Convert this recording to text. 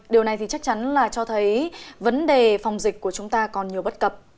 điều này chắc chắn cho thấy vấn đề phòng dịch của chúng ta còn nhiều bất cập